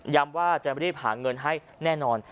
ย้ำว่าจะไม่ได้หาเงินให้แน่นอน